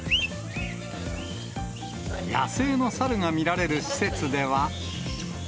野生の猿が見られる施設では。